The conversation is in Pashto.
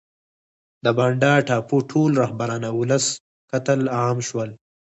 د بانډا ټاپو ټول رهبران او ولس قتل عام شول.